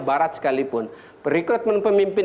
barat sekalipun rekrutmen pemimpin